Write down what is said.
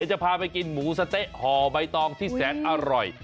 จะพาไปกินหมูสะเต๊ะห่อใบตองที่แสนอร่อย